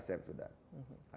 kita sudah rcep